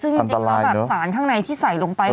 ซึ่งจริงแล้วแบบสารข้างในที่ใส่ลงไป